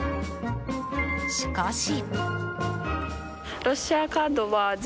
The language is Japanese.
しかし。